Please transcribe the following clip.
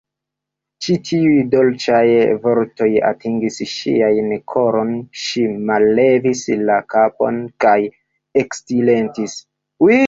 Ĉi tiuj dolĉaj vortoj atingis ŝian koron; ŝi mallevis la kapon kaj eksilentis.